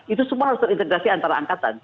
itu semua harus terintegrasi antara angkatan